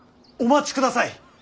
お待ちください。